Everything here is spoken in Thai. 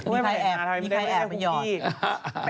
มีใครแอบมีใครแอบคุกกี้